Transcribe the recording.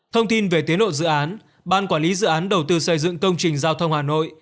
thông tin về tiến độ dự án ban quản lý dự án đầu tư xây dựng công trình giao thông hà nội